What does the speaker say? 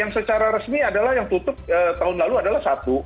yang secara resmi adalah yang tutup tahun lalu adalah satu